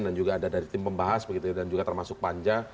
dan juga ada dari tim pembahas begitu dan juga termasuk panja